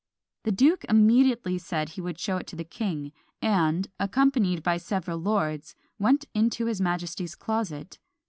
The duke immediately said he would show it to the king; and, accompanied by several lords, went into his majesty's closet.